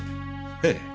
ええ。